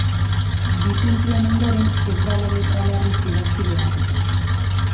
Bi puntuen ondoren ez dago letra larriz idatzi beharrik.